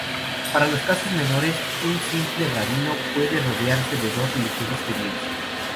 Para los casos menores, un simple rabino puede rodearse de dos religiosos judíos.